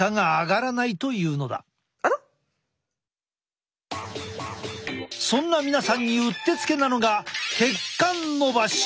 しかしそんな皆さんにうってつけなのが血管のばし！